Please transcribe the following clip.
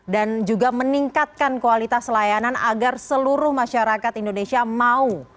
dan juga meningkatkan kualitas layanan agar seluruh masyarakat indonesia mau